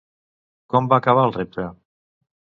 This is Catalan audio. Com va acabar el repte?